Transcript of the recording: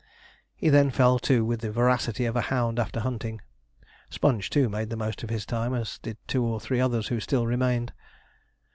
He then fell to with the voracity of a hound after hunting. Sponge, too, made the most of his time, as did two or three others who still remained.